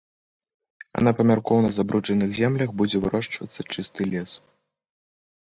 А на памяркоўна забруджаных землях будзе вырошчвацца чысты лес.